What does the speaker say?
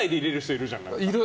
いる。